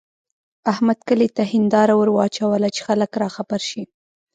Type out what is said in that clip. احمد کلي ته هېنداره ور واچوله چې خلګ راخبر شي.